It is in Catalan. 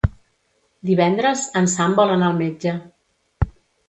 Divendres en Sam vol anar al metge.